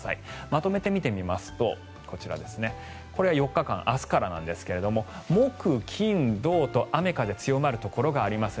まとめて見てみますとこちら、これは４日間、明日からなんですが木、金、土と雨、風強まるところがあります。